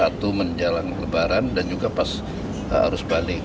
itu menjalankan lebaran dan juga pas arus balik